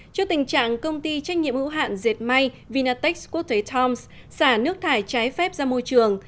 cho tình trạng công ty trách nhiệm hữu hạn dệt may vinatex quốc tế toms xả nước thải trái phép ra môi trường